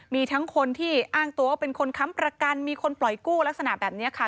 มีทั้งคนที่อ้างตัวว่าเป็นคนค้ำประกันมีคนปล่อยกู้ลักษณะแบบนี้ค่ะ